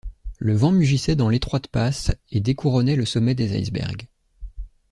Le vent mugissait dans l’étroite passe et découronnait le sommet des icebergs.